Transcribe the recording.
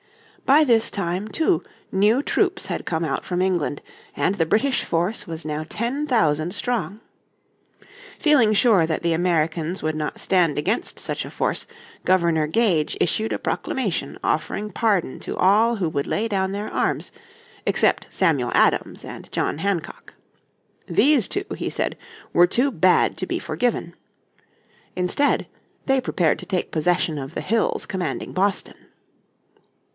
By this time, too, new troops had come out from England, and the British force was now ten thousand strong. Feeling sure that the Americans would not stand against such a force, Governor Gage issued a proclamation offering pardon to all who would lay down their arms, except Samuel Adams and John Hancock. These two, he said, were too bad to be forgiven. Instead they prepared to take possession of the hills commanding Boston.